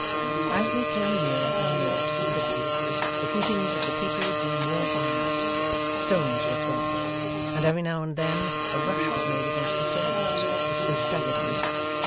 As they came nearer and nearer to the prison, the hootings of the people grew more violent; stones were thrown; and every now and then, a rush was made against the soldiers, which they staggered under.